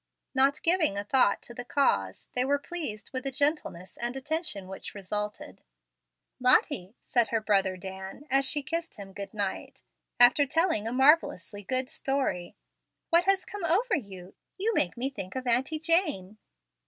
Not giving a thought to the cause, they were pleased with the gentleness and attention which resulted. "Lottie," said her brother Dan, as she kissed him good night, after telling a marvellously good story, "what has come over you? You make me think of Auntie Jane."